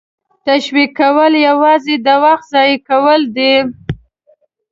تشویش کول یوازې د وخت ضایع کول دي.